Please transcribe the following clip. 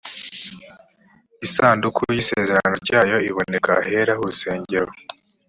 isanduku v y isezerano ryayo iboneka ahera h urusengero